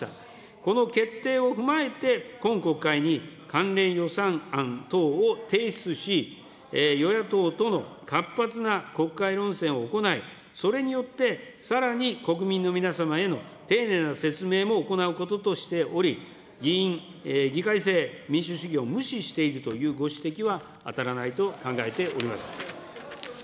この決定を踏まえて、今国会に関連予算案等を提出し、与野党との活発な国会論戦を行い、それによって、さらに国民の皆様への丁寧な説明も行うこととしており、議院議会制民主主義を無視しているというご指摘はあたらないと考えております。